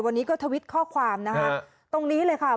วันนี้ก็ทวิตข้อความนะคะตรงนี้เลยค่ะ